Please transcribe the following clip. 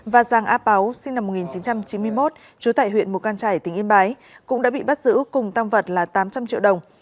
và giàng á páo sinh năm một nghìn chín trăm chín mươi một chú tại huyện mộc căn trải tỉnh yên bái cũng đã bị bắt giữ cùng tăng vật là tám trăm linh triệu đồng